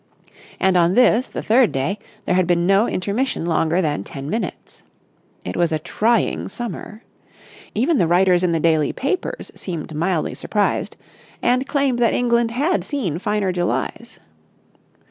And on this, the third day, there had been no intermission longer than ten minutes. It was a trying Summer. Even the writers in the daily papers seemed mildly surprised, and claimed that England had seen finer Julys.